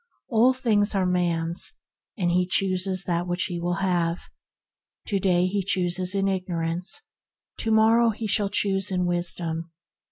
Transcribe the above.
All things are man's, and he chooses what he will have. To day he chooses in igno rance, to morrow he shall choose in Wis dom.